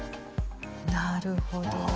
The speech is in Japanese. なるほど。